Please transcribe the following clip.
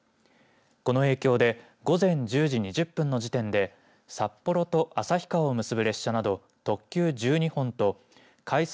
この影響で午前１０時２０分の時点で札幌と旭川を結ぶ列車など特急１２本と快速